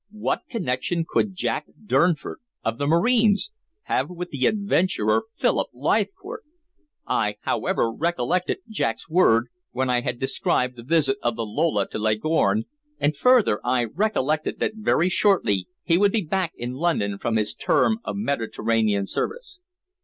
What connection could Jack Durnford, of the Marines, have with the adventurer Philip Leithcourt? I, however, recollected Jack's word, when I had described the visit of the Lola to Leghorn, and further I recollected that very shortly he would be back in London from his term of Mediterranean service.